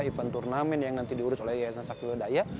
event turnamen yang nanti diurus oleh yayasan saktiwadaya